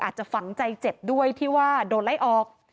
อาจจะฝังใจเจ็บด้วยที่ว่าโดนไล่ออก